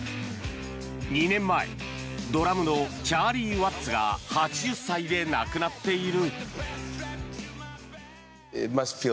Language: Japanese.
２年前ドラムのチャーリー・ワッツが８０歳で亡くなっている。